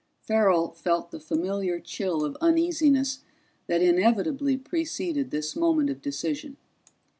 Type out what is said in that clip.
Farrell felt the familiar chill of uneasiness that inevitably preceded this moment of decision.